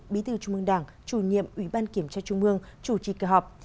bí tư trung mương đảng chủ nhiệm ubkt chủ trì kỳ họp